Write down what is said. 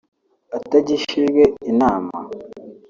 atagishijwe inama